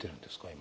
今。